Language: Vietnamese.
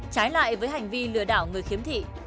trái lại với hành vi lừa đảo người khiếm thị